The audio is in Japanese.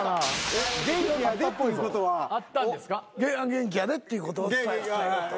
元気やでっていうことを伝えようと。